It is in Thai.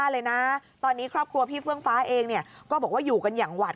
เลยนะตอนนี้ครอบครัวพี่เฟื่องฟ้าเองเนี่ยก็บอกว่าอยู่กันอย่างหวัด